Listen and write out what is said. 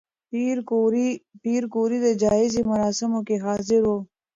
پېیر کوري د جایزې مراسمو کې حاضر و؟